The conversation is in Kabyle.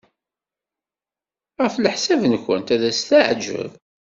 Ɣef leḥsab-nwent, ad t-teɛjeb?